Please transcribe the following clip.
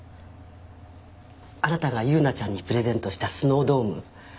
あなたが優奈ちゃんにプレゼントしたスノードーム